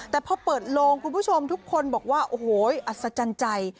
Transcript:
แต่พอเปิดโลงคุณผู้ชมทุกคนบอกว่าโอ้โหอัศจรรย์ใจ